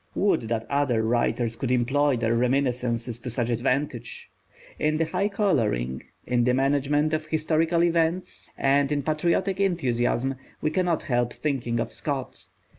Would that other writers could employ their reminiscences to such advantage! In the high colouring, in the management of historical events, and in patriotic enthusiasm, we cannot help thinking of Scott.